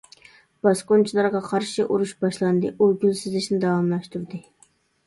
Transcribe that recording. باسقۇنچىلارغا قارشى ئۇرۇش باشلاندى ئۇ گۈل سىزىشنى داۋاملاشتۇردى.